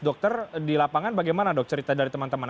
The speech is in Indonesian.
dokter di lapangan bagaimana dok cerita dari teman teman